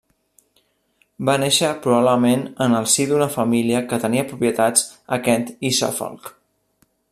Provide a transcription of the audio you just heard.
Va néixer probablement en el si d'una família que tenia propietats a Kent i Suffolk.